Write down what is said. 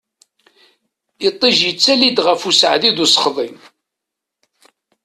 Iṭij yettali-d ɣef useɛdi d usexḍi.